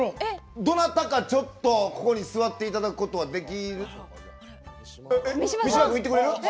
どなたか、ちょっとここに座っていただくことはできる？